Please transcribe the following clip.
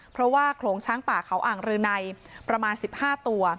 เพราะว่าโขลงช้างป่าเขาอ่างรืนัยประมาณ๑๕ตัว